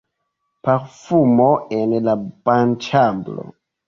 Parfumo en la banĉambro.